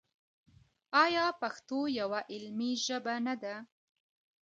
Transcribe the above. آیا پښتو یوه علمي ژبه نه ده؟